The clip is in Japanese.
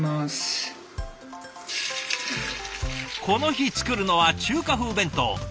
この日作るのは中華風弁当。